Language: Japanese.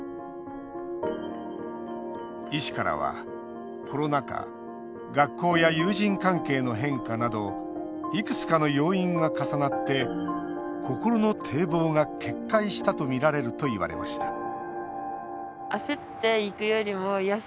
医師からは、コロナ禍学校や友人関係の変化などいくつかの要因が重なって心の堤防が決壊したとみられると言われました